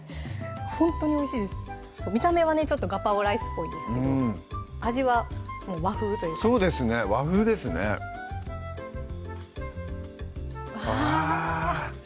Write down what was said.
ほんとにおいしいです見た目はねちょっとガパオライスっぽいんですけど味は和風というかそうですね和風ですねわぁ！